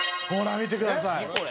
ほら見てください！